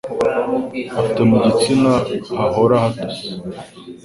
afite mu gitsina hahora hatose